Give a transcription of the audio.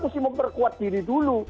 masih mau perkuat diri dulu